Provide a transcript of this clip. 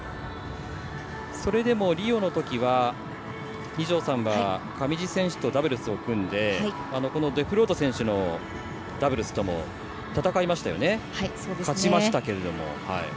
それでもリオのときは二條さんは上地選手とダブルスを組んでデフロート選手のダブルスとも戦いましたよね。